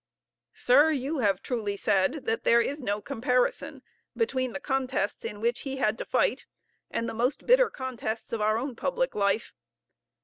Sir, you have truly said that there is no comparison between the contests in which he had to fight and the most bitter contests of our own public life.